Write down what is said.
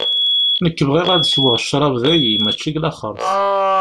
Nekk bɣiɣ ad sweɣ ccrab dagi, mačči deg laxeṛt.